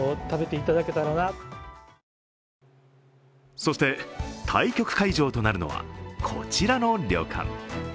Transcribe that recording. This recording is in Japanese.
そして、対局会場となるのはこちらの旅館。